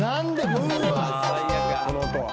この音は。